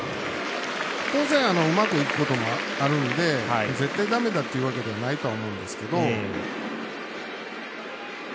当然、うまくいくこともあるんで絶対だめだということではないと思うんですけど。